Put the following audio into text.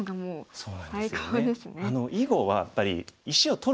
そうなんですよね。